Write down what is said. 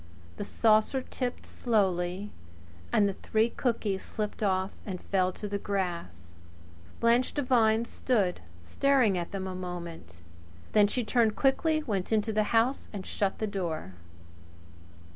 The saucer tipped slowly, and the three cookies slipped off and fell to the grass. Blanche Devine followed them with her eyes and stood staring at them a moment. Then she turned quickly, went into the house and shut the door.